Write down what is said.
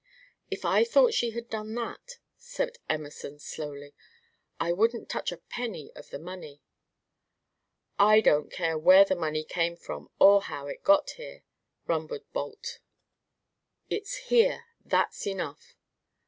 "If I thought she had done that," said Emerson, slowly, "I wouldn't touch a penny of the money." "I don't care where the money came from or how it got here," rumbled Balt. "It's here; that's enough."